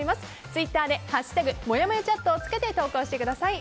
ツイッターで「＃もやもやチャット」をつけて投稿してください。